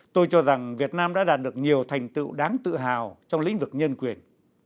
tôi cho rằng việt nam đã đạt được nhiều thành tựu đáng tự hào trong lĩnh vực nhân quyền